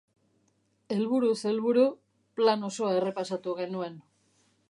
Helburuz helburu plan osoa errepasatu genuen.